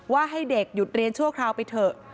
ให้เด็กหยุดเรียนชั่วคราวไปเถอะ